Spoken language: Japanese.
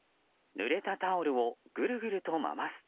ぬれたタオルをぐるぐると回すと。